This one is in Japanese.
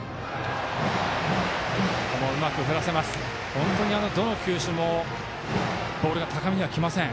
本当にどの球種もボールが高めにきません。